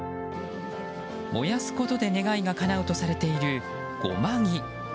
燃やすことで願いがかなうとされている護摩木。